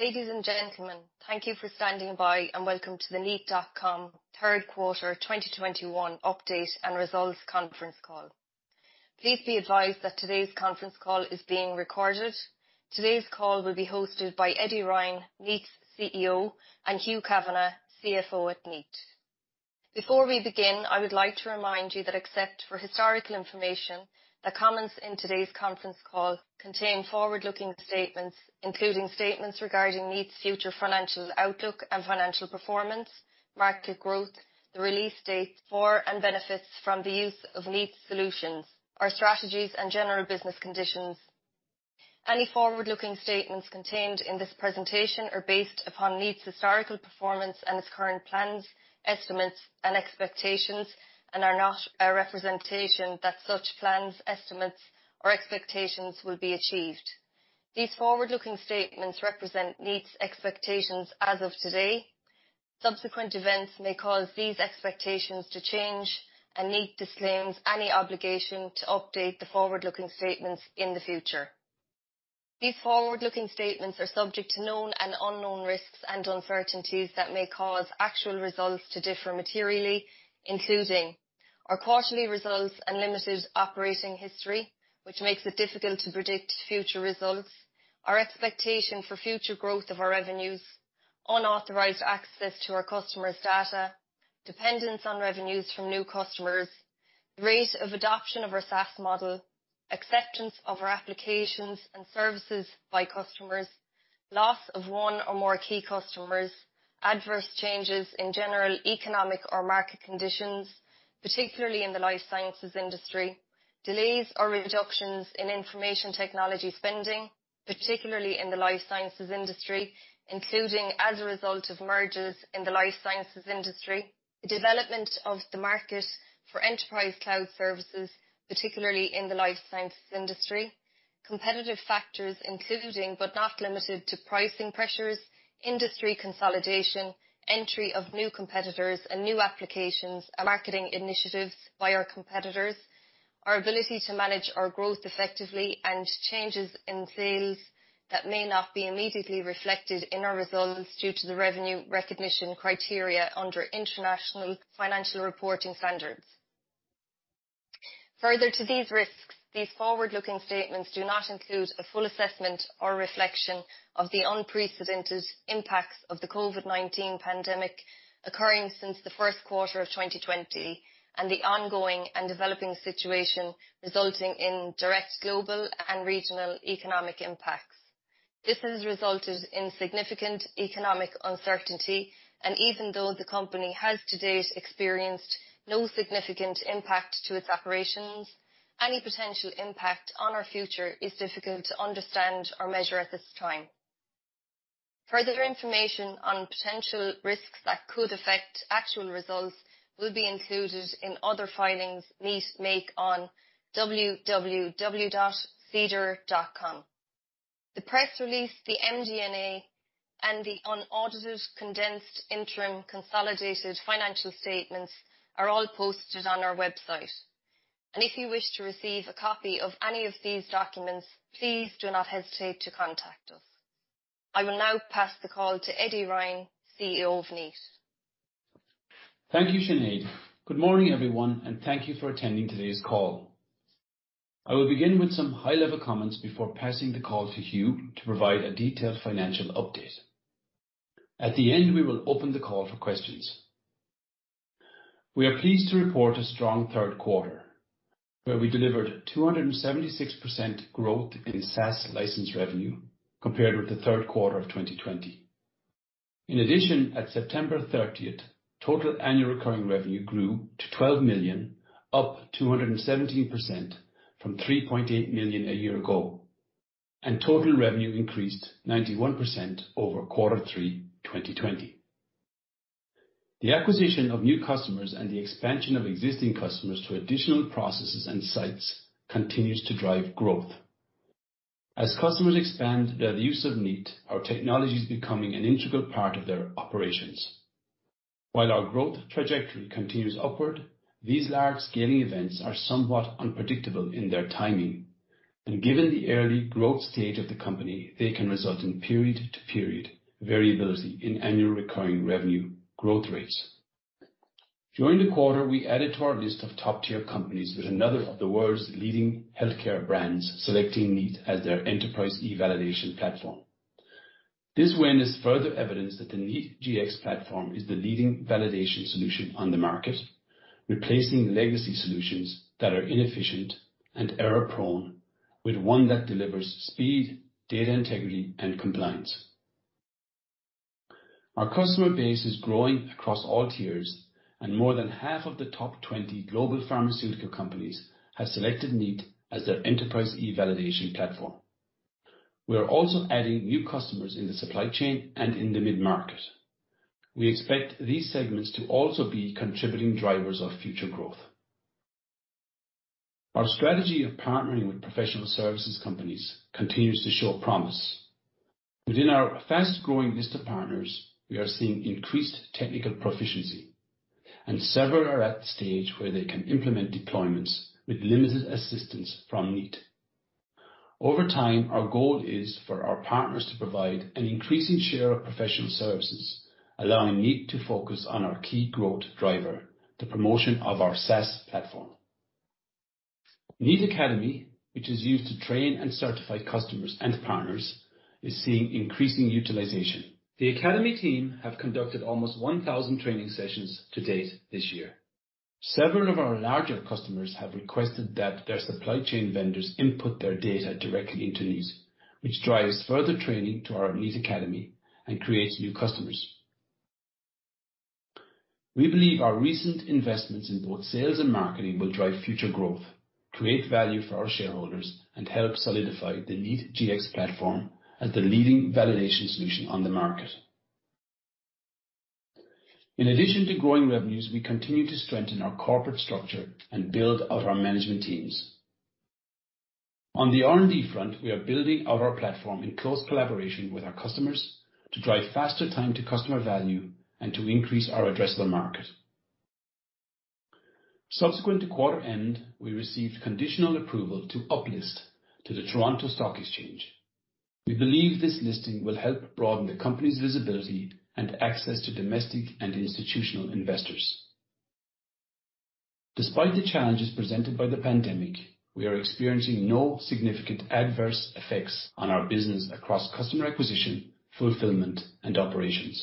Ladies and gentlemen, thank you for standing by, and Welcome to the Kneat.com Third Quarter 2021 Update and Results Conference Call. Please be advised that today's conference call is being recorded. Today's call will be hosted by Eddie Ryan, Kneat's CEO, and Hugh Kavanagh, CFO at Kneat. Before we begin, I would like to remind you that, except for historical information, the comments in today's conference call contain forward-looking statements, including statements regarding Kneat's future financial outlook and financial performance, market growth, the release date for and benefits from the use of Kneat's solutions, our strategies and general business conditions. Any forward-looking statements contained in this presentation are based upon Kneat's historical performance and its current plans, estimates, and expectations and are not a representation that such plans, estimates, or expectations will be achieved. These forward-looking statements represent Kneat's expectations as of today. Subsequent events may cause these expectations to change, and Kneat disclaims any obligation to update the forward-looking statements in the future. These forward-looking statements are subject to known and unknown risks and uncertainties that may cause actual results to differ materially, including our quarterly results and limited operating history, which makes it difficult to predict future results, our expectation for future growth of our revenues, unauthorized access to our customers' data, dependence on revenues from new customers, the rate of adoption of our SaaS model, acceptance of our applications and services by customers. Loss of one or more key customers, adverse changes in general economic or market conditions, particularly in the life sciences industry, delays or reductions in information technology spending, particularly in the life sciences industry, including as a result of mergers in the life sciences industry. The development of the market for enterprise cloud services, particularly in the life sciences industry, competitive factors including, but not limited to, pricing pressures, industry consolidation, entry of new competitors and new applications and marketing initiatives by our competitors, our ability to manage our growth effectively, and changes in sales that may not be immediately reflected in our results due to the revenue recognition criteria under International Financial Reporting Standards. Further to these risks, these forward-looking statements do not include a full assessment or reflection of the unprecedented impacts of the COVID-19 pandemic occurring since the Q1 of 2020 and the ongoing and developing situation resulting in direct global and regional economic impacts. This has resulted in significant economic uncertainty. Even though the company has to date experienced no significant impact to its operations, any potential impact on our future is difficult to understand or measure at this time. Further information on potential risks that could affect actual results will be included in other filings Kneat makes on www.sedar.com. The press release, the MD&A, and the unaudited, condensed interim consolidated financial statements are all posted on our website. If you wish to receive a copy of any of these documents, please do not hesitate to contact us. I will now pass the call to Eddie Ryan, CEO of Kneat. Thank you, Sinead. Good morning, everyone, and thank you for attending today's call. I will begin with some high-level comments before passing the call to Hugh to provide a detailed financial update. At the end, we will open the call for questions. We are pleased to report a strong Q3, where we delivered 276% growth in SaaS license revenue compared with the Q3 of 2020. In addition, at 30 September, total annual recurring revenue grew to 12 million, up 217% from 3.8 million a year ago, and total revenue increased 91% over Q3, 2020. The acquisition of new customers and the expansion of existing customers to additional processes and sites continues to drive growth. As customers expand their use of Kneat, our technology is becoming an integral part of their operations. While our growth trajectory continues upward, these large-scaling events are somewhat unpredictable in their timing. Given the early growth stage of the company, they can result in period-to-period variability in annual recurring revenue growth rates. During the quarter, we added to our list of top-tier companies with another of the world's leading healthcare brands selecting Kneat as their enterprise e-validation platform. This win is further evidence that the Kneat Gx platform is the leading validation solution on the market, replacing legacy solutions that are inefficient and error-prone with one that delivers speed, data integrity, and compliance. Our customer base is growing across all tiers, and more than half of the top 20 global pharmaceutical companies have selected Kneat as their enterprise e-validation platform. We are also adding new customers in the supply chain and in the mid-market. We expect these segments to also be contributing drivers of future growth. Our strategy of partnering with professional services companies continues to show promise. Within our fast-growing vista of partners, we are seeing increased technical proficiency. Several are at the stage where they can implement deployments with limited assistance from Kneat. Over time, our goal is for our partners to provide an increasing share of professional services, allowing Kneat to focus on our key growth driver, the promotion of our SaaS platform. Kneat Academy, which is used to train and certify customers and partners, is seeing increasing utilization. The academy team have conducted almost 1,000 training sessions to date this year. Several of our larger customers have requested that their supply chain vendors input their data directly into Kneat, which drives further training to our Kneat Academy and creates new customers. We believe our recent investments in both sales and marketing will drive future growth, create value for our shareholders, and help solidify the Kneat Gx platform as the leading validation solution on the market. In addition to growing revenues, we continue to strengthen our corporate structure and build out our management teams. On the R&D front, we are building out our platform in close collaboration with our customers to drive faster time to customer value and to increase our addressable market. Subsequent to quarter end, we received conditional approval to uplist to the Toronto Stock Exchange. We believe this listing will help broaden the company's visibility and access to domestic and institutional investors. Despite the challenges presented by the pandemic, we are experiencing no significant adverse effects on our business across customer acquisition, fulfillment, and operations.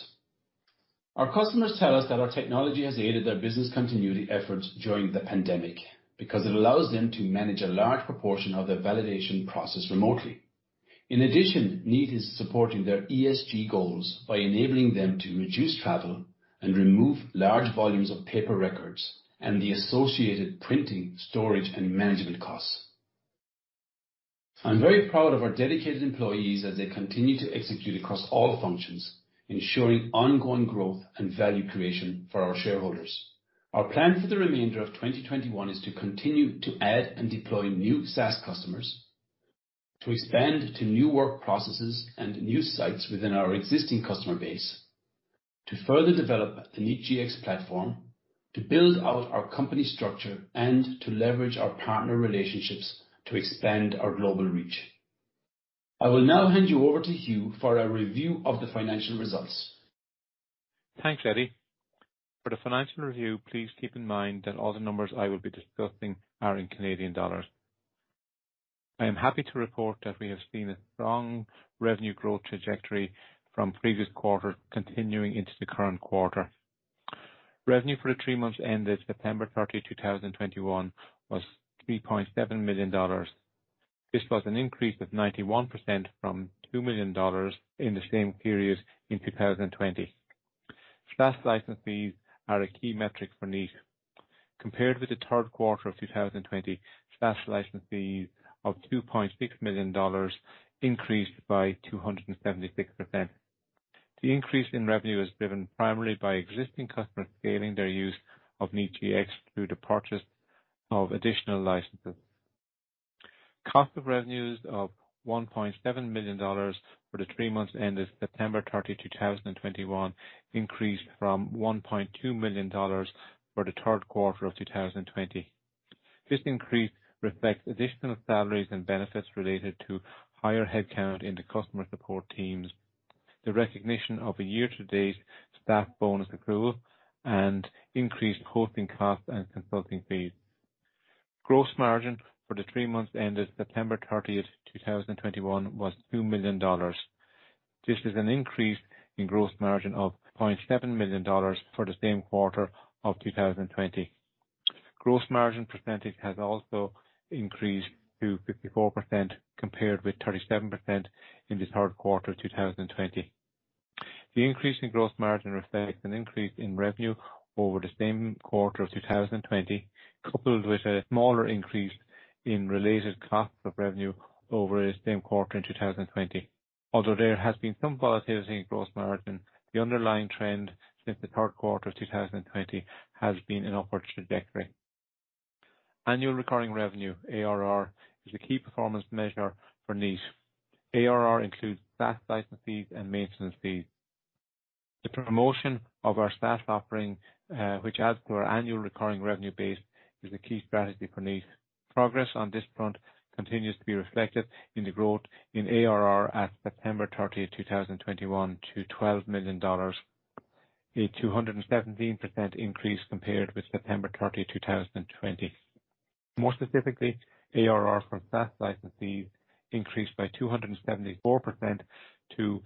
Our customers tell us that our technology has aided their business continuity efforts during the pandemic because it allows them to manage a large proportion of their validation process remotely. In addition, Kneat is supporting their ESG goals by enabling them to reduce travel and remove large volumes of paper records and the associated printing, storage, and management costs. I'm very proud of our dedicated employees as they continue to execute across all functions, ensuring ongoing growth and value creation for our shareholders. Our plan for the remainder of 2021 is to continue to add and deploy new SaaS customers, to expand to new work processes and new sites within our existing customer base, to further develop the Kneat Gx platform, to build out our company structure, and to leverage our partner relationships to expand our global reach. I will now hand you over to Hugh for a review of the financial results. Thanks, Eddie. For the financial review, please keep in mind that all the numbers I will be discussing are in Canadian dollars. I am happy to report that we have seen a strong revenue growth trajectory from previous quarter continuing into the current quarter. Revenue for the three months ended September 30, 2021 was 3.7 million dollars. This was an increase of 91% from 2 million dollars in the same period in 2020. SaaS license fees are a key metric for Kneat. Compared with the third quarter of 2020, SaaS license fees of 2.6 million dollars increased by 276%. The increase in revenue is driven primarily by existing customers scaling their use of Kneat Gx through the purchase of additional licenses. Cost of revenues of 1.7 million dollars for the three months ended September 30, 2021 increased from 1.2 million dollars for the third quarter of 2020. This increase reflects additional salaries and benefits related to higher headcount in the customer support teams, the recognition of a year-to-date staff bonus accrual and increased hosting costs and consulting fees. Gross margin for the three months ended September 30th, 2021 was 2 million dollars. This is an increase in gross margin of 0.7 million dollars for the same quarter of 2020. Gross margin percentage has also increased to 54% compared with 37% in the third quarter of 2020. The increase in gross margin reflects an increase in revenue over the same quarter of 2020, coupled with a smaller increase in related costs of revenue over the same quarter in 2020. Although there has been some volatility in gross margin, the underlying trend since the third quarter of 2020 has been an upward trajectory. Annual recurring revenue, ARR, is a key performance measure for Kneat. ARR includes SaaS license fees and maintenance fees. The promotion of our SaaS offering, which adds to our annual recurring revenue base, is a key strategy for Kneat. Progress on this front continues to be reflected in the growth in ARR at September 30, 2021 to CAD 12 million. A 217% increase compared with September 30, 2020. More specifically, ARR from SaaS licensees increased by 274% to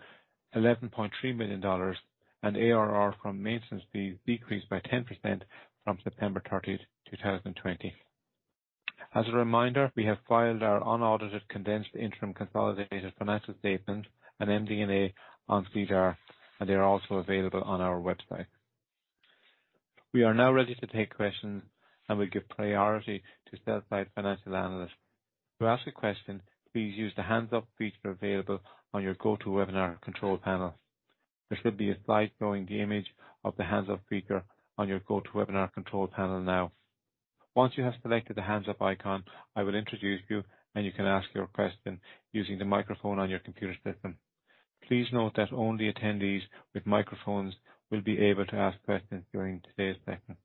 11.3 million dollars. ARR from maintenance fees decreased by 10% from September 30, 2020. As a reminder, we have filed our unaudited, condensed interim consolidated financial statements and MD&A on SEDAR, and they are also available on our website. We are now ready to take questions, and we give priority to sell-side financial analysts. To ask a question, please use the hands-up feature available on your GoTo Webinar control panel. There should be a slide showing the image of the Hands-Up speaker on your GoTo Webinar control panel now. Once you have selected the hands up icon, I will introduce you and you can ask your question using the microphone on your computer system. Please note that only attendees with microphones will be able to ask questions during today's session.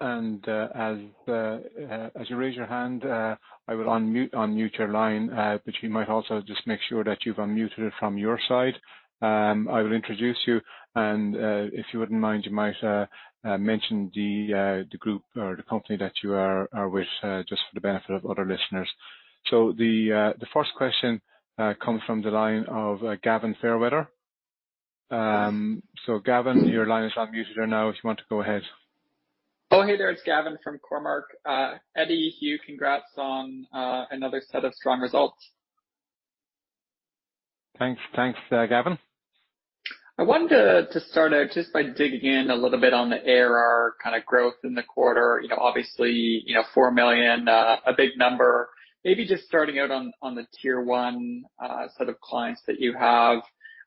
As you raise your hand, I will unmute your line, but you might also just make sure that you've unmuted it from your side. I will introduce you and, if you wouldn't mind, you might mention the group or the company that you are with, just for the benefit of other listeners. The first question comes from the line of Gavin Fairweather. Gavin, your line is unmuted now if you want to go ahead. Oh, hey there, it's Gavin from Cormark. Eddie, Hugh, congrats on another set of strong results. Thanks. Thanks, Gavin. I wanted to start out just by digging in a little bit on the ARR kind of growth in the quarter. You know, obviously, you know, 4 million, a big number. Maybe just starting out on the tier one set of clients that you have.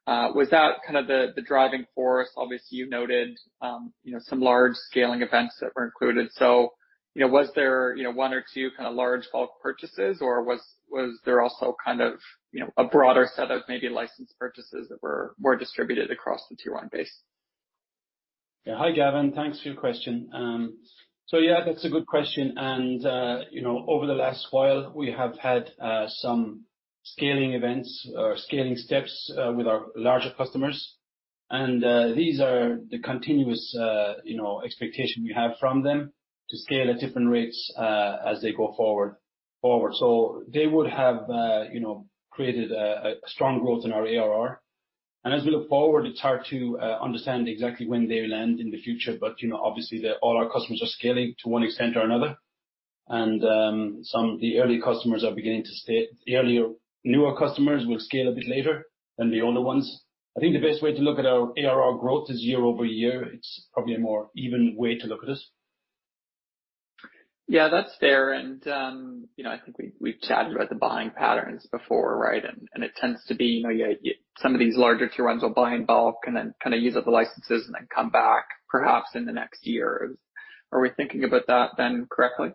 Was that kind of the driving force? Obviously, you noted, you know, some large scaling events that were included. You know, was there, you know, one or two kind of large bulk purchases, or was there also kind of a broader set of maybe license purchases that were more distributed across the tier one base? Yeah. Hi, Gavin. Thanks for your question. Yeah, that's a good question. You know, over the last while, we have had some scaling events or scaling steps with our larger customers. These are the continuous, you know, expectation we have from them to scale at different rates as they go forward. They would have created a strong growth in our ARR. As we look forward, it's hard to understand exactly when they land in the future but you know, obviously, all our customers are scaling to one extent or another. Some of the early customers are beginning to scale the earlier newer customers will scale a bit later than the older ones. I think the best way to look at our ARR growth is year-over-year it's probably a more even way to look at it. Yeah, that's fair. You know, I think we've chatted about the buying patterns before, right? It tends to be, you know, some of these larger tier ones will buy in bulk and then kind of use up the licenses and then come back perhaps in the next year. Are we thinking about that then correctly? Yeah.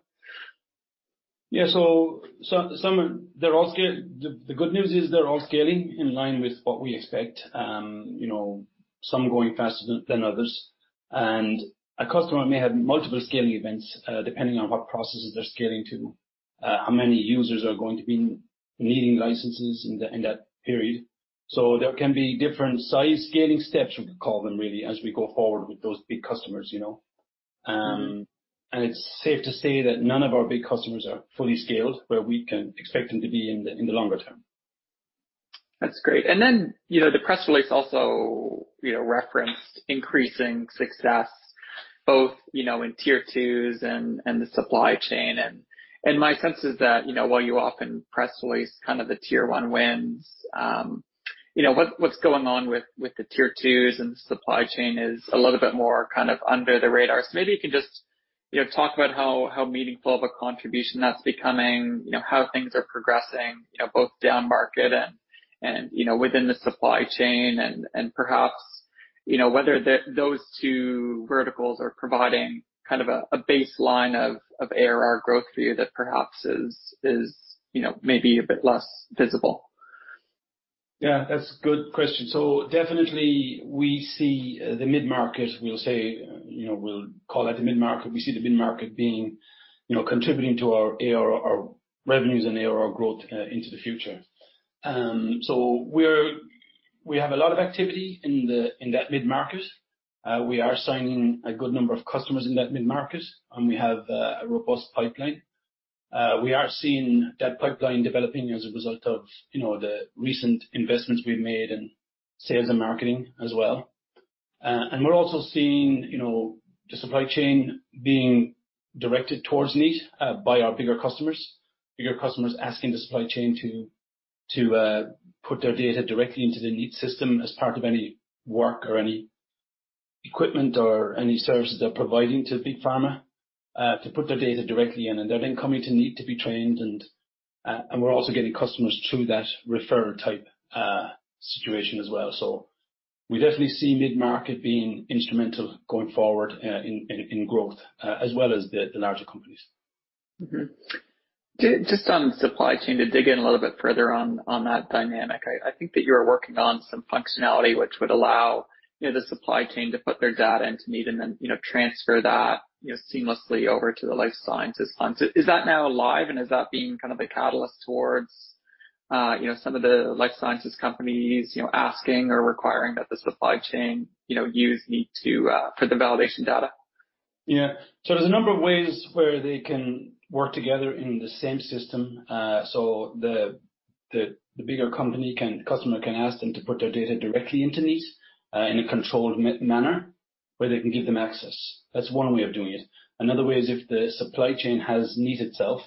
Some are. They're all scaling. The good news is they're all scaling in line with what we expect. You know, some going faster than others. A customer may have multiple scaling events, depending on what processes they're scaling to, how many users are going to be needing licenses in that period. There can be different size scaling steps, we could call them, really, as we go forward with those big customers, you know. It's safe to say that none of our big customers are fully scaled, but we can expect them to be in the longer term. That's great. You know, the press release also referenced increasing success both in tier two's and the supply chain. My sense is that, you know, while you often press release kind of the tier one wins, you know, what's going on with the tier two's and the supply chain is a little bit more kind of under the radar maybe can you know, talk about how meaningful of a contribution that's becoming. You know, how things are progressing, you know, both down market and within the supply chain and perhaps, you know, whether those two verticals are providing kind of a baseline of ARR growth for you that perhaps is, you know, maybe a bit less visible. Yeah, that's a good question. Definitely we see the mid-market, we'll say, you know, we'll call it the mid-market we see the mid-market being, you know, contributing to our ARR, our revenues and ARR growth into the future. We have a lot of activity in that mid-market. We are signing a good number of customers in that mid-market, and we have a robust pipeline. We are seeing that pipeline developing as a result of the recent investments we've made in sales and marketing as well. We're also seeing the supply chain being directed towards Kneat by our bigger customers. Bigger customers asking the supply chain to put their data directly into the Kneat system as part of any work or any equipment or any services they're providing to Big Pharma, to put their data directly in. they're then coming to Kneat to be trained and we're also getting customers through that referral type situation as well. We definitely see mid-market being instrumental going forward in growth as well as the larger companies. Just on supply chain, to dig in a little bit further on that dynamic. I think that you're working on some functionality which would allow, you know, the supply chain to put their data into Kneat and then, you know, transfer that, you know, seamlessly over to the life sciences clients is that now live and is that being kind of a catalyst towards, you know, some of the life sciences companies, you know, asking or requiring that the supply chain, you know, use Kneat to for the validation data? Yeah. There's a number of ways where they can work together in the same system, so the bigger customer can ask them to put their data directly into Kneat, in a controlled manner where they can give them access. That's one way of doing it. Another way is if the supply chain has Kneat itself,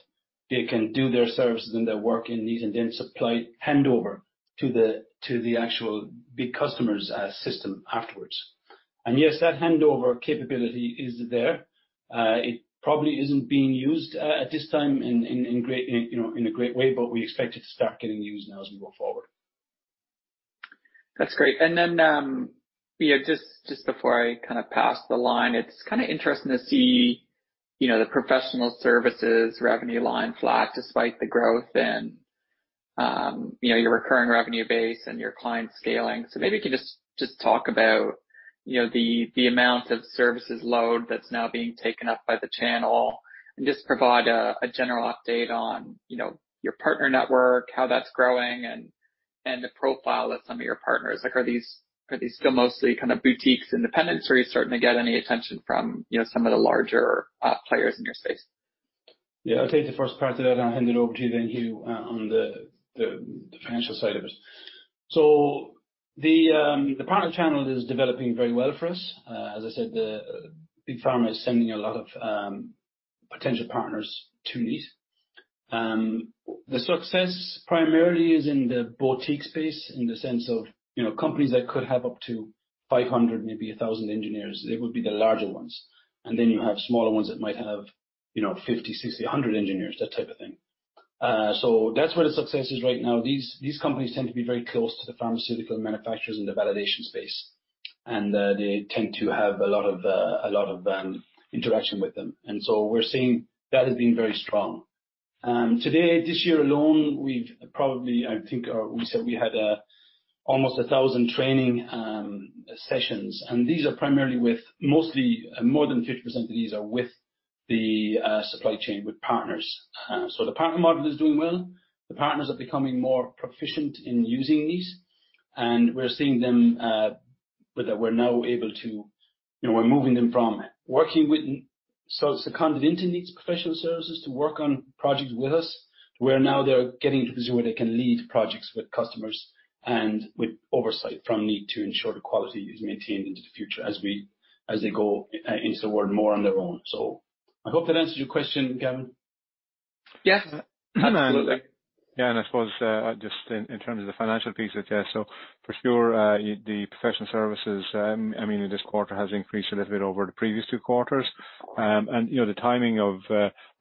they can do their services and their work in Kneat and then supply handover to the actual big customer's system afterwards. Yes, that handover capability is there. It probably isn't being used at this time in a great way, you know, but we expect it to start getting used now as we go forward. That's great. Then, just before I kind of pass the line, it's kinda interesting to see, you know, the professional services revenue line flat despite the growth and, you know, your recurring revenue base and your client scaling. Maybe you can just talk about, you know, the amount of services load that's now being taken up by the channel and just provide a general update on, you know, your partner network, how that's growing and the profile of some of your partners are this like, are these still mostly kind of boutiques, independents, or are you starting to get any attention from, you know, some of the larger players in your space? Yeah. I'll take the first part of that, and I'll hand it over to you then, Hugh, on the financial side of it. The partner channel is developing very well for us. As I said, the Big Pharma is sending a lot of potential partners to Kneat. The success primarily is in the boutique space in the sense of, you know, companies that could have up to 500, maybe 1,000 engineers they would be the larger ones. Then you have smaller ones that might have, you know, 50, 60, 100 engineers, that type of thing. That's where the success is right now these companies tend to be very close to the pharmaceutical manufacturers in the validation space. They tend to have a lot of interaction with them and so we're seeing that has been very strong. Today, this year alone, we've probably I think or we said we had almost 1,000 training sessions, and these are primarily with mostly more than 50% of these are with the supply chain, with partners. The partner model is doing well. The partners are becoming more proficient in using this, and we're seeing them with that we're now able to. You know, we're moving them from working with seconded into Kneat's professional services to work on projects with us, to where now they're getting to the point where they can lead projects with customers and with oversight from Kneat to ensure the quality is maintained into the future as they go into the world more on their own. I hope that answers your question, Gavin. Yes. Absolutely. Yeah. I suppose just in terms of the financial piece of it, yeah, so for sure the professional services. I mean, this quarter has increased a little bit over the previous two quarters. You know, the timing of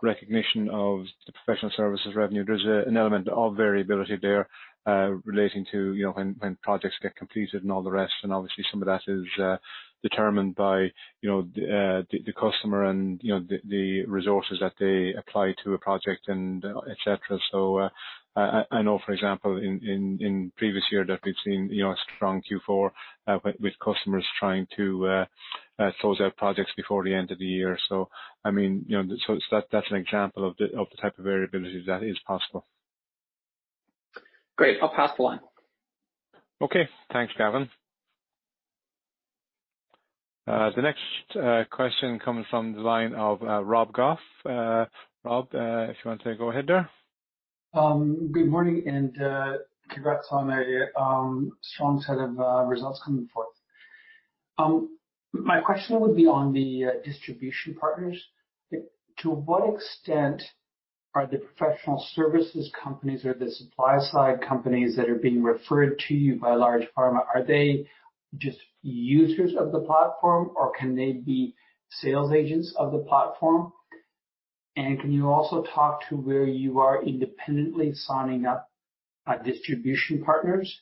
recognition of the professional services revenue, there's an element of variability there relating to, you know, when projects get completed and all the rest obviously some of that is determined by, you know, the customer and, you know, the resources that they apply to a project and et cetera. I know, for example, in previous year that we've seen, you know, a strong Q4, with customers trying to close out projects before the end of the year. I mean, you know, so it's that's an example of the, of the type of variability that is possible. Great. I'll pass the line. Okay. Thanks, Gavin. The next question comes from the line of Rob Goff. Rob, if you want to go ahead there. Good morning, and congrats on a strong set of results coming forth. My question would be on the distribution partners. To what extent are the professional services companies or the supply side companies that are being referred to you by large pharma, are they just users of the platform? or can they be sales agents of the platform? And can you also talk to where you are independently signing up distribution partners?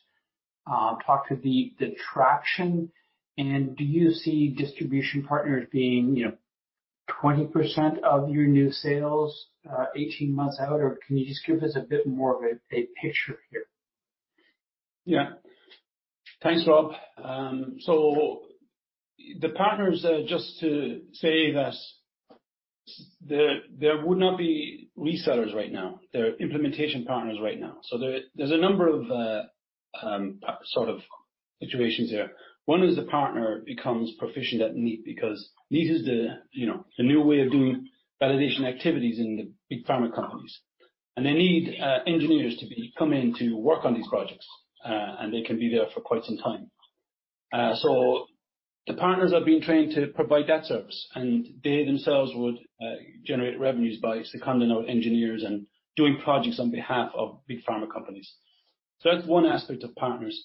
Talk to the traction. And do you see distribution partners being, you know, 20% of your new sales 18 months out, or can you just give us a bit more of a picture here? Yeah. Thanks, Rob. The partners are just to say that there would not be resellers right now they're implementation partners right now. There’s a number of sort of situations here. One is the partner becomes proficient at Kneat because Kneat is the, you know, the new way of doing validation activities in the big pharma companies. They need engineers to be coming to work on these projects and they can be there for quite some time. The partners have been trained to provide that service, and they themselves would generate revenues by seconding our engineers and doing projects on behalf of big pharma companies. That's one aspect of partners.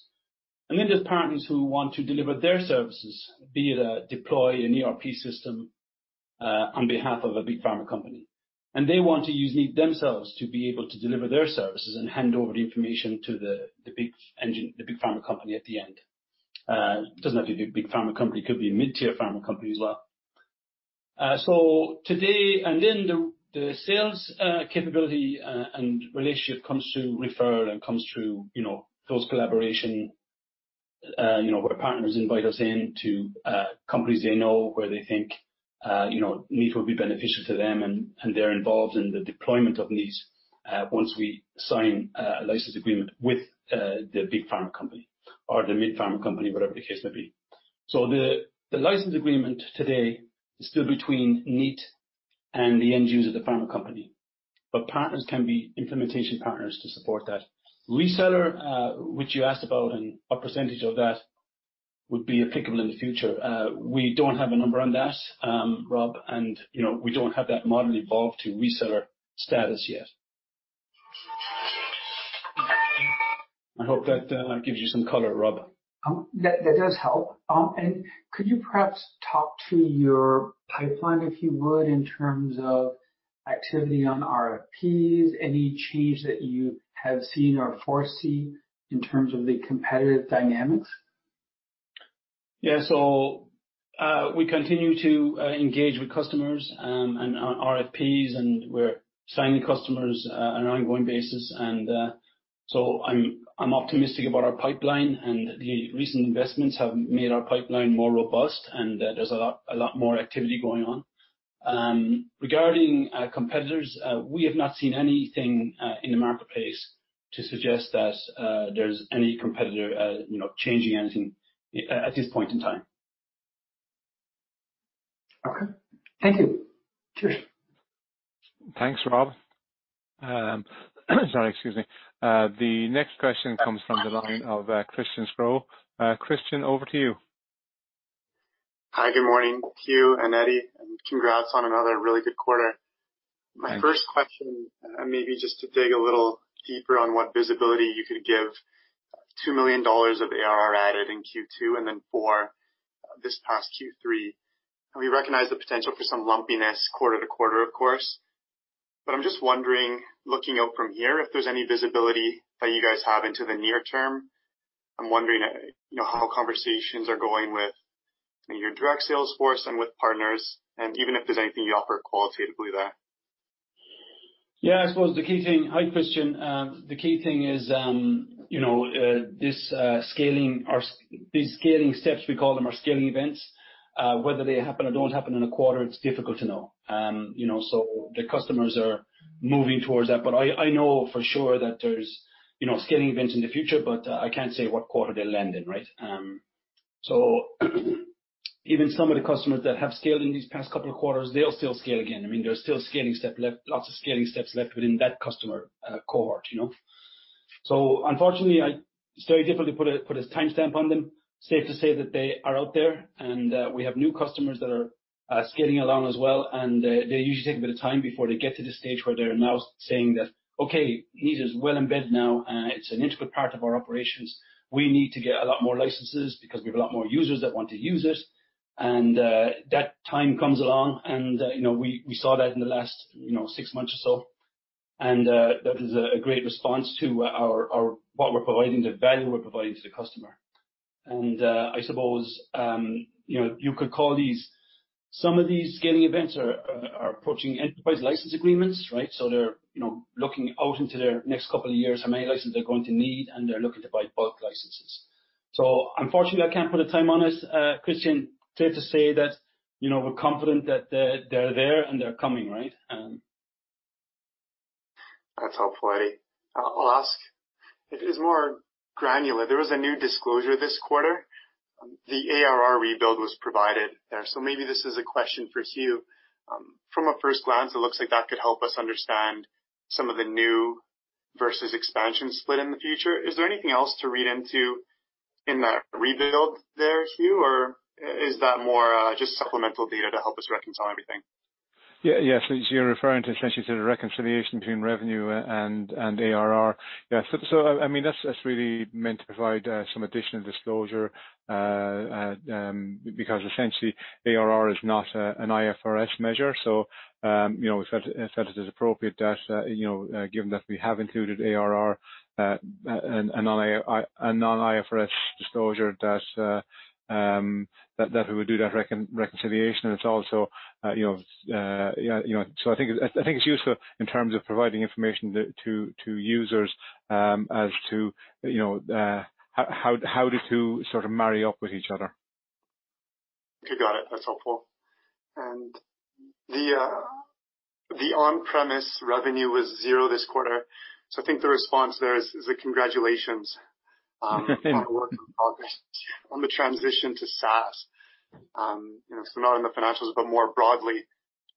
Then there’s partners who want to deliver their services, be it deploy an ERP system on behalf of a big pharma company. They want to use Kneat themselves to be able to deliver their services and hand over the information to the big end, the big pharma company at the end. It doesn't have to be a big pharma company it could be a mid-tier pharma company as well. The sales capability and relationship comes through referral and comes through, you know, close collaboration, you know, where partners invite us in to companies they know where they think, you know, Kneat will be beneficial to them and they're involved in the deployment of Kneat once we sign a license agreement with the big pharma company or the mid pharma company, whatever the case may be. The license agreement today is still between Kneat and the end users of the pharma company, but partners can be implementation partners to support that. Reseller, which you asked about and what percentage of that would be applicable in the future, we don't have a number on that, Rob, and, you know, we don't have that model evolved to reseller status yet. I hope that gives you some color, Rob. That does help. Could you perhaps talk to your pipeline, if you would, in terms of activity on RFPs, any change that you have seen or foresee in terms of the competitive dynamics? Yeah. We continue to engage with customers and on RFPs, and we're signing customers on an ongoing basis and I'm optimistic about our pipeline. The recent investments have made our pipeline more robust, and there's a lot more activity going on. Regarding our competitors, we have not seen anything in the marketplace to suggest that there's any competitor you know changing anything at this point in time. Okay. Thank you. Cheers. Thanks, Rob. Sorry, excuse me. The next question comes from the line of Christian Sgro. Christian, over to you. Hi, good morning, Hugh and Eddie, and congrats on another really good quarter. Thank you. My first question, maybe just to dig a little deeper on what visibility you could give, 2 million dollars of ARR added in Q2 and then 4 million this past Q3. We recognize the potential for some lumpiness quarter-to-quarter, of course. I'm just wondering, looking out from here, if there's any visibility that you guys have into the near term. I'm wondering, you know, how conversations are going with your direct sales force and with partners? and even if there's anything you offer qualitatively there. Hi, Christian. I suppose the key thing is, you know, this scaling or these scaling steps we call them our scaling events, whether they happen or don't happen in a quarter, it's difficult to know. You know, the customers are moving towards that but I know for sure that there's, you know, scaling events in the future, but I can't say what quarter they'll land in, right? Even some of the customers that have scaled in these past couple of quarters, they'll still scale again i mean, there are still scaling step left, lots of scaling steps left within that customer cohort, you know. Unfortunately, it's very difficult to put a timestamp on them. Safe to say that they are out there and we have new customers that are scaling along as well, and they usually take a bit of time before they get to the stage where they're now saying that, "Okay, Kneat is well-embedded now it's an integral part of our operations. We need to get a lot more licenses because we have a lot more users that want to use it." That time comes along and you know, we saw that in the last you know, six months or so. And that was a great response to our what we're providing, the value we're providing to the customer. And I suppose you know, you could call this. Some of these scaling events are approaching enterprise license agreements, right? They're, you know, looking out into their next couple of years, how many licenses they're going to need, and they're looking to buy bulk licenses. Unfortunately, I can't put a time on it, Christian. Safe to say that, you know, we're confident that they're there and they're coming, right? That's helpful, Eddie. I'll ask if it is more granular there was a new disclosure this quarter. The ARR rebuild was provided there. Maybe this is a question for Hugh. From a first glance, it looks like that could help us understand some of the new versus expansion split in the future is there anything else to read into in that rebuild there, Hugh? Or is that more, just supplemental data to help us reconcile everything? Yeah. Yes. You're referring to essentially the reconciliation between revenue and ARR. Yeah so, I mean, that's really meant to provide some additional disclosure, because essentially ARR is not an IFRS measure. You know, we felt it is appropriate that, you know, given that we have included ARR, a non-IFRS disclosure that we would do that reconciliation and it's also, you know, so I think it's useful in terms of providing information to users, as to, you know, how the two sort of marry up with each other. Okay, got it. That's helpful. The on-premise revenue was zero this quarter. I think the response there is the congratulations on the transition to SaaS. You know, not in the financials, but more broadly,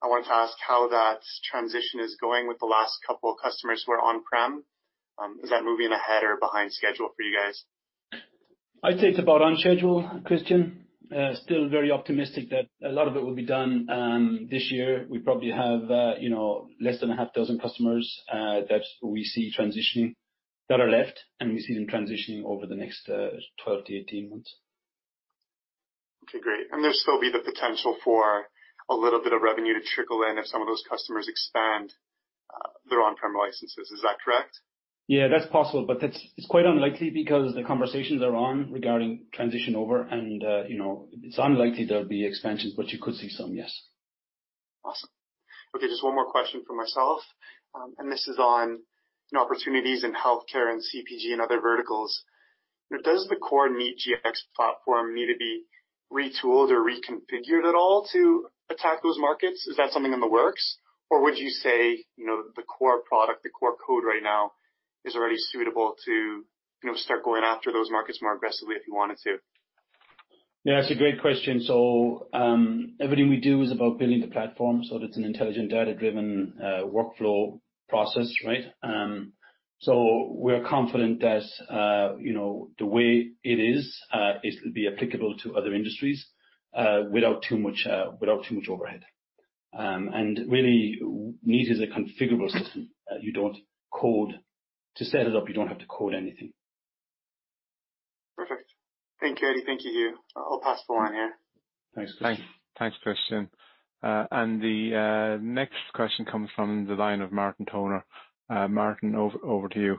I wanted to ask how that transition is going with the last couple of customers who are on-prem. Is that moving ahead or behind schedule for you guys? I'd say it's about on schedule, Christian. Still very optimistic that a lot of it will be done this year. We probably have, you know, less than a half dozen customers that we see transitioning that are left, and we see them transitioning over the next 12 to 18 months. Okay, great. There'll still be the potential for a little bit of revenue to trickle in if some of those customers expand their on-prem licenses. Is that correct? Yeah, that's possible, but that's. It's quite unlikely because the conversations are on regarding transition over and, you know, it's unlikely there'll be expansions, but you could see some, yes. Awesome. Okay, just one more question from myself, and this is on opportunities in healthcare and CPG and other verticals. Does the core Kneat Gx platform need to be retooled or reconfigured at all to attack those markets? Is that something in the works? Or would you say, you know, the core product, the core code right now is already suitable to, you know, start going after those markets more aggressively if you wanted to? Yeah, that's a great question. Everything we do is about building the platform so that it's an intelligent, data-driven workflow process, right? We're confident that, you know, the way it is is to be applicable to other industries without too much overhead. Really, Kneat is a configurable system you don't code to set it up, you don't have to code anything. Thank you, Eddie. Thank you, Hugh. I'll pass the line here. Thanks. Thanks, Christian. The next question comes from the line of Martin Toner. Martin, over to you.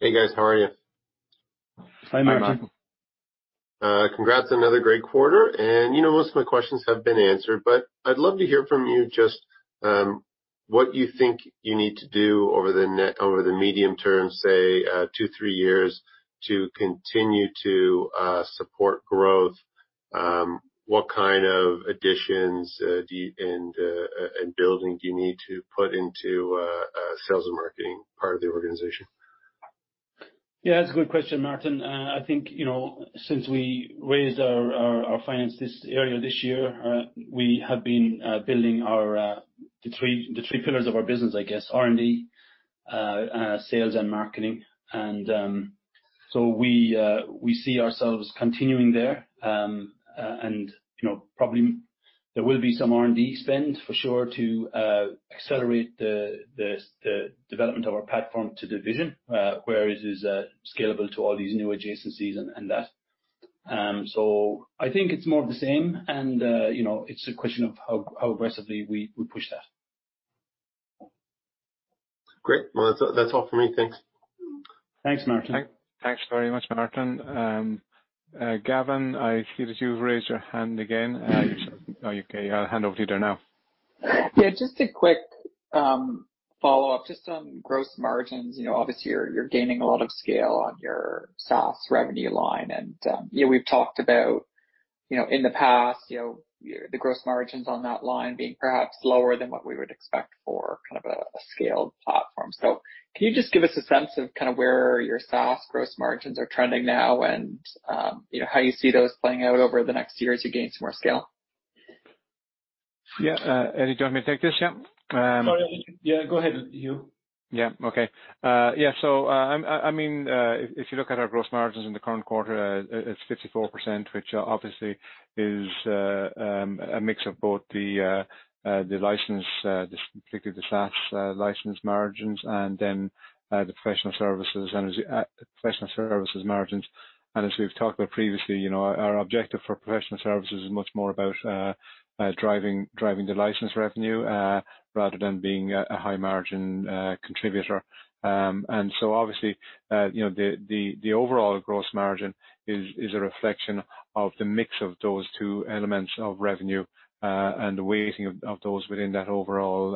Hey, guys. How are you? Hi, Martin. Hi, Martin. Congrats on another great quarter. You know, most of my questions have been answered, but I'd love to hear from you just what you think you need to do over the medium term, say, two, three years to continue to support growth. What kind of additions and building do you need to put into sales and marketing part of the organization? Yeah, that's a good question, Martin. I think, you know, since we raised our financing earlier this year, we have been building the three pillars of our business, I guess, R&D, sales and marketing. We see ourselves continuing there. You know, probably there will be some R&D spend for sure to accelerate the development of our platform to the vision where it is scalable to all these new adjacencies and that. I think it's more of the same and, you know, it's a question of how aggressively we push that. Great. Well, that's all for me. Thanks. Thanks, Martin. Thanks very much, Martin. Gavin, I see that you've raised your hand again. Oh, okay, I'll hand over to you then now. Yeah, just a quick follow-up just on gross margins you know, obviously you're gaining a lot of scale on your SaaS revenue line, we've talked about, you know, in the past, you know, your gross margins on that line being perhaps lower than what we would expect for kind of a scaled platform. Can you just give us a sense of kind of where your SaaS gross margins are trending now and, you know, how you see those playing out over the next year as you gain some more scale? Yeah. Eddie, do you want me to take this, yeah? Sorry. Yeah, go ahead, Hugh. Yeah. Okay. yeah, so, I mean, if you look at our gross margins in the current quarter, it's 54%, which obviously is a mix of both the license, particularly the SaaS license margins, and then the professional services and the professional services margins. As we've talked about previously, you know, our objective for professional services is much more about driving the license revenue rather than being a high-margin contributor. Obviously, you know, the overall gross margin is a reflection of the mix of those two elements of revenue and the weighting of those within that overall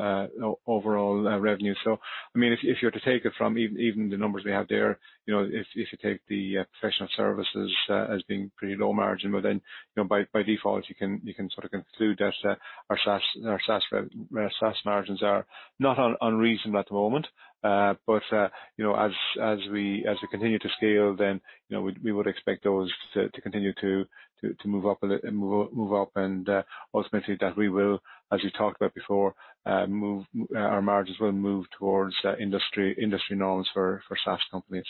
revenue. I mean, if you're to take it from even the numbers we have there, you know, if you take the professional services as being pretty low margin, well, then, you know, by default, you can sort of conclude that our SaaS margins are not unreasonable at the moment. You know, as we continue to scale, you know, we would expect those to continue to move up. Ultimately that we will, as we talked about before, our margins will move towards industry norms for SaaS companies.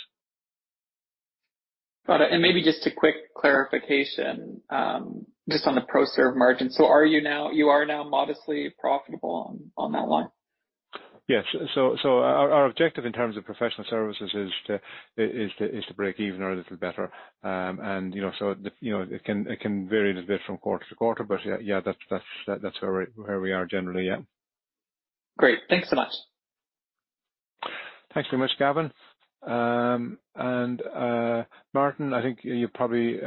Got it. Maybe just a quick clarification, just on the pro serve margin are you now modestly profitable on that line? Yes. Our objective in terms of professional services is to break even or a little better. You know, so, you know, it can vary a little bit from quarter to quarter but yeah, that's where we are generally, yeah. Great. Thanks so much. Thanks very much, Gavin. Martin, I think probably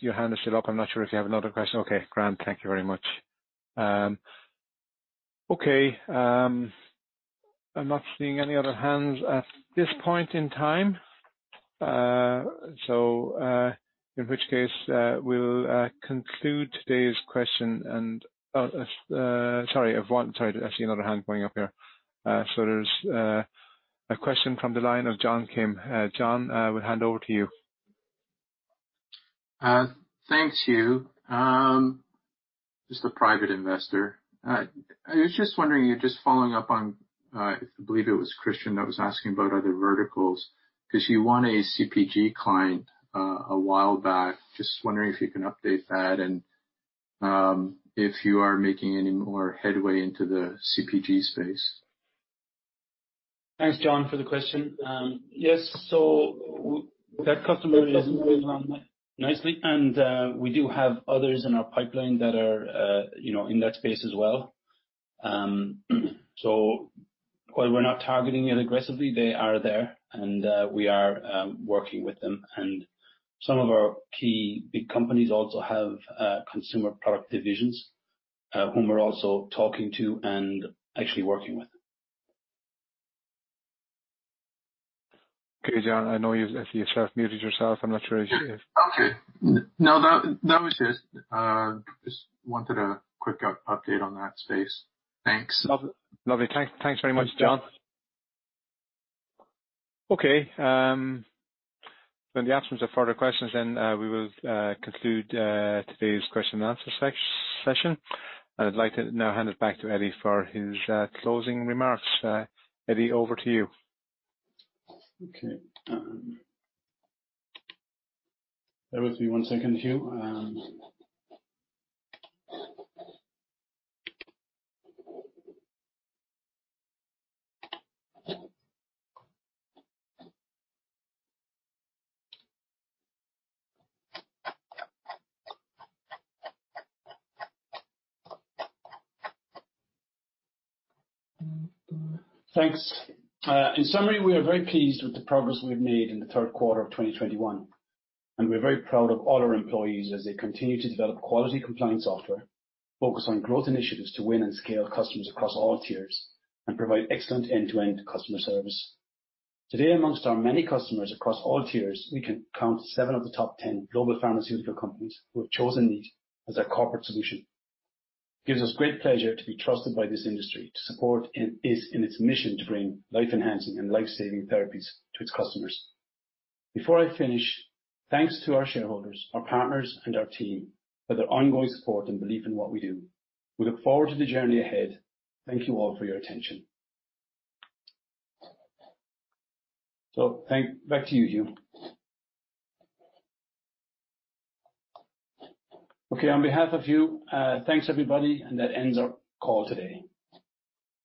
your hand is still up i'm not sure if you have another question. Okay, grand. Thank you very much. Okay. I'm not seeing any other hands at this point in time. Sorry, I see another hand going up here. There's a question from the line of John Kim. John, I will hand over to you. Thanks, Hugh. Just a private investor. I was just wondering, you know, just following up on, I believe it was Christian that was asking about other verticals, 'cause you won a CPG client a while back. Just wondering if you can update that and if you are making any more headway into the CPG space. Thanks, John, for the question. That customer is moving along nicely, and we do have others in our pipeline that are, you know, in that space as well. While we're not targeting it aggressively, they are there and we are working with them. Some of our key big companies also have consumer product divisions whom we're also talking to and actually working with. Okay. John, I know, if you've self-muted yourself, I'm not sure if you? Okay. No, that was it. Just wanted a quick update on that space. Thanks. Lovely. Thanks very much, John... Okay. In the absence of further questions, we will conclude today's question and answer session. I'd like to now hand it back to Eddie for his closing remarks. Eddie, over to you. In summary, we are very pleased with the progress we've made in the Q3 of 2021, and we're very proud of all our employees as they continue to develop quality compliance software, focus on growth initiatives to win and scale customers across all tiers and provide excellent end-to-end customer service. Today, among our many customers across all tiers, we can count seven of the top ten global pharmaceutical companies who have chosen Kneat as their corporate solution. It gives us great pleasure to be trusted by this industry to support in its mission to bring life-enhancing and life-saving therapies to its customers. Before I finish, thanks to our shareholders, our partners, and our team for their ongoing support and belief in what we do. We look forward to the journey ahead. Thank you all for your attention. Back to you, Hugh. Okay. On behalf of Hugh, thanks, everybody. That ends our call today.